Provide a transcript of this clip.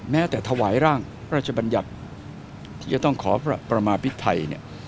แม้แต่ถวายร่างแรชบัญญัติที่จะต้องขอปรมาณวิทย์ไทยเนี่ย